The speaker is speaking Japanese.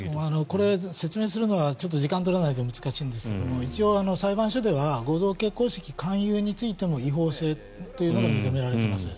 これ、説明をするのは時間を取らないと難しいんですが一応、裁判所では合同結婚式勧誘についても違法性っていうのが認められています。